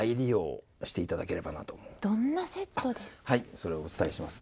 はいそれをお伝えします。